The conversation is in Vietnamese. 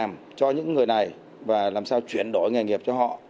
làm cho những người này và làm sao chuyển đổi nghề nghiệp cho họ